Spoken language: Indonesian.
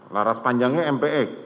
laras panjangnya mpx